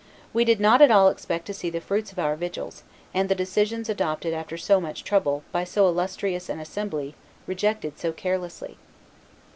We did not at all expect to see the fruits of our vigils, and the decisions adopted after so much trouble by so illustrious an assembly rejected so carelessly."